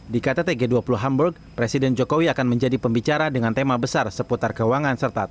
di kttg dua puluh hamburg presiden jokowi akan menjadi pembicara dengan tema besar seputar keuangan serta teknologi